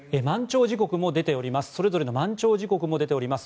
それぞれの満潮時刻も出ております。